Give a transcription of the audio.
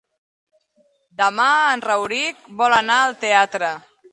Demà en Rauric vol anar al teatre.